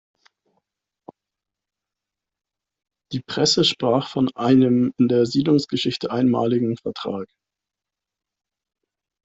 Die Presse sprach von „einem in der Siedlungsgeschichte einmaligen Vertrag“.